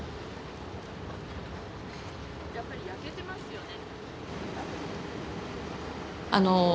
やっぱり焼けてますよね。